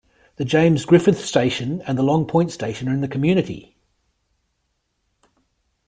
The James Griffith Station and the Long Point Station are in the community.